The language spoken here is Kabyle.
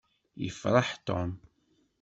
Yefṛeḥ Tom.